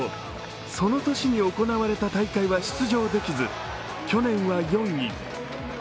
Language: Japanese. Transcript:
その年に行われた大会は出場できず、去年は４位。